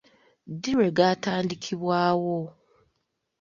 Ddi lwe gaatandikibwawo?